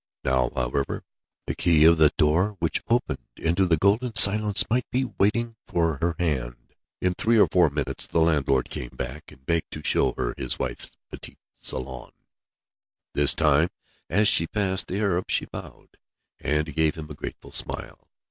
Now, however, the key of the door which opened into the golden silence might be waiting for her hand. In three or four minutes the landlord came back, and begged to show her his wife's petit salon. This time as she passed the Arab she bowed, and gave him a grateful smile.